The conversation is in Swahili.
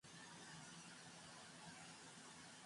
kuingia kama vile Chatsworth au Stonehenge na